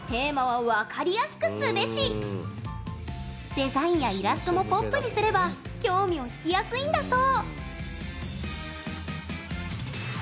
デザインやイラストもポップにすれば興味を引きやすいんだそう。